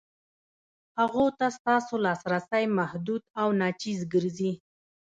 هغو ته ستاسو لاسرسی محدود او ناچیز ګرځي.